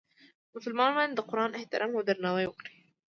مسلمان باید د قرآن احترام او درناوی وکړي.